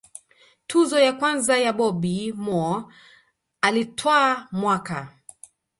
tuzo ya kwanza ya Bobby Moore alitwaa mwaka